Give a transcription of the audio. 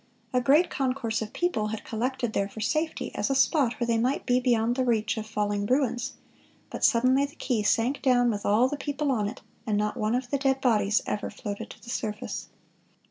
A great concourse of people had collected there for safety, as a spot where they might be beyond the reach of falling ruins; but suddenly the quay sank down with all the people on it, and not one of the dead bodies ever floated to the surface."